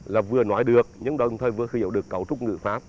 là vừa nói được nhưng đồng thời vừa hiểu được cấu trúc người pháp